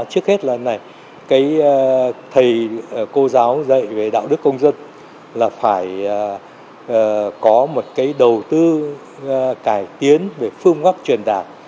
trước hết là cái thầy cô giáo dạy về đạo đức công dân là phải có một cái đầu tư cải tiến về phương pháp truyền đạt